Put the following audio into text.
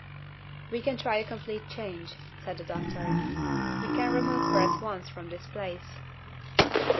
"We can try a complete change," said the doctor. "We can remove her at once from this place."